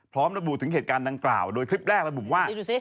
พร้อมระบุถึงเหตุการณ์ดังกล่าวโดยคลิปแรกระบุว่า